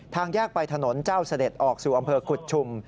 ทางแยกไปถนนเจ้าเสด็จออกสู่อำเภอกุฎชุม